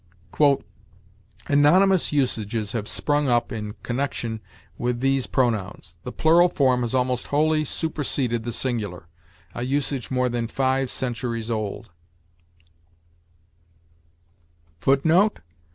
"Anomalous usages have sprung up in connection with these pronouns. The plural form has almost wholly superseded the singular; a usage more than five centuries old.